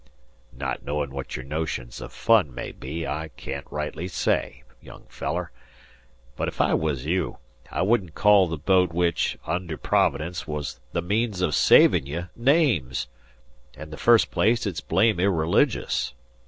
"Not knowin' what your notions o' fun may be, I can't rightly say, young feller. But if I was you, I wouldn't call the boat which, under Providence, was the means o' savin' ye, names. In the first place, it's blame irreligious.